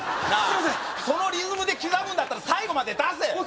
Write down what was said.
なあそのリズムで刻むんだったら最後まで出せ！